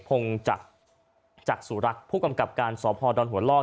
จักษุรักษ์ผู้กำกับการสพดอนหัวลอก